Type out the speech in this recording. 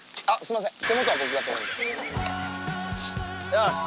よし！